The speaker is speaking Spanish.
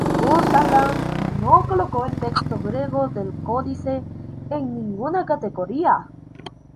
Kurt Aland no colocó el texto griego del códice en ninguna categoría.